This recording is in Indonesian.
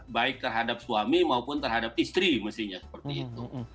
baik terhadap suami maupun terhadap istri mestinya seperti itu